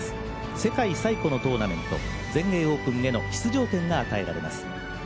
世界最古のトーナメント全英オープンへの出場権が与えられます。